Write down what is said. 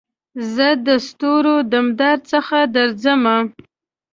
زه دستورو دمدار څخه درځمه